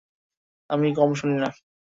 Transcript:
আমি কম শুনিনা।